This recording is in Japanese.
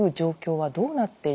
はい。